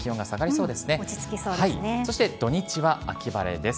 そして土日は秋晴れです。